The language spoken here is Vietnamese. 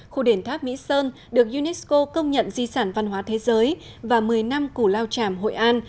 khu đền tháp mỹ sơn được unesco công nhận di sản văn hóa thế giới và một mươi năm củ lao tràm hội an